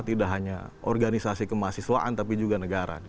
tidak hanya organisasi kemahasiswaan tapi juga negara